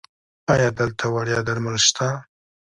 ایا دلته وړیا درمل شته؟